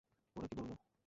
ওরা কী বলল?